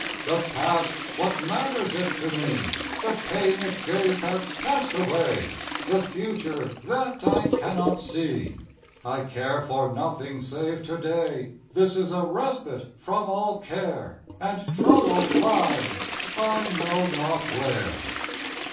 The past what matters it to me? The pain it gave has passed away. The future that I cannot see! I care for nothing save to day This is a respite from all care, And trouble flies I know not where.